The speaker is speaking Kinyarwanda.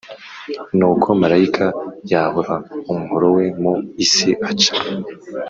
Nuko marayika yahura umuhoro we mu isi aca